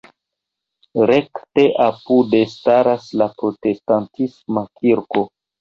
Rekte apude staras la protestantisma kirko.